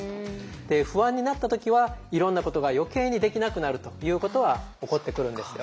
不安になった時はいろんなことが余計にできなくなるということは起こってくるんですよ。